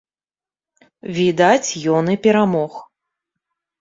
Відаць, ён і перамог.